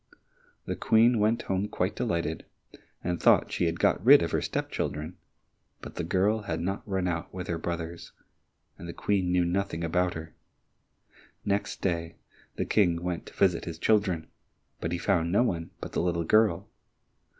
The Queen went home quite delighted, and thought she had got rid of her step children, but the girl had not run out with her brothers, and the Queen knew nothing about her. Next day the King went to visit his children, but he found no one but the little girl.